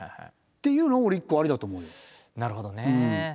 なるほどね。